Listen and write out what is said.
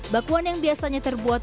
bakwan yang biasanya terbuat